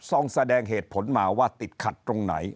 แสดงเหตุผลมาว่าติดขัดตรงไหน